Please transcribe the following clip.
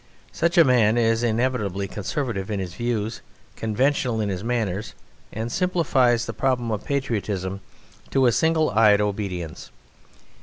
Such a man is inevitably conservative in his views, conventional in his manners, and simplifies the problem of patriotism to a single eyed obedience.